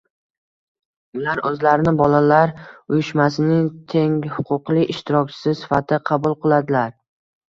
ular o‘zlarini bolalar uyushmasining tenghuquqli ishtirokchisi sifatida qabul qiladilar